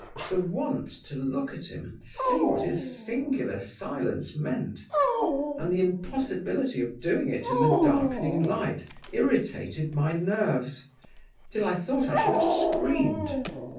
The want to look at him, and see what his singular silence meant, and the impossibility of doing it in the darkening light, irritated my nerves, till I thought I should have screamed.